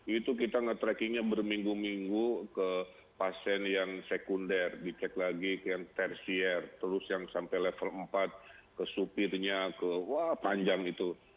itu kita nge trackingnya berminggu minggu ke pasien yang sekunder dicek lagi ke yang tersier terus yang sampai level empat ke supirnya ke wah panjang itu